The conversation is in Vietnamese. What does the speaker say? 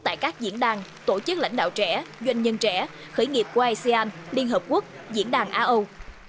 tại các diễn đàn tổ chức lãnh đạo trẻ doanh nhân trẻ khởi nghiệp của asean liên hợp quốc diễn đàn aâu